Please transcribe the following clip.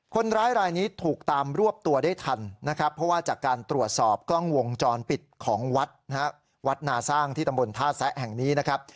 คนร้ายรายนี้ถูกตามรวบตัวได้ทันนะครับเพราะว่าจากการตรวจสอบกล้องวงจรปิดของวัดนะฮะวัดนาสร้างที่ตำบลท่าแซะแห่งนี้นะครับ